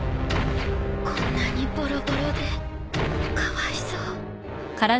こんなにボロボロでかわいそう。